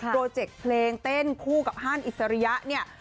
โปรเจกต์เพลงเต้นคู่กับห้านอิสริยะ